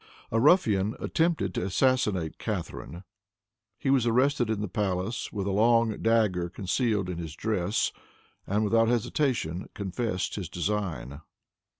A ruffian attempted to assassinate Catharine. He was arrested in the palace, with a long dagger concealed in his dress, and without hesitation confessed his design.